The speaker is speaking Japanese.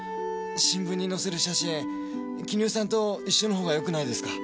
新聞に載せる写真絹代さんと一緒の方がよくないですか？